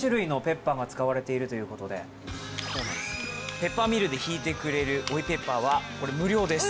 ペッパーミルでひいてくれる追いペッパーは無料です。